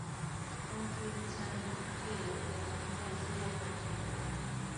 公司以参与罪恶装备系列而知名。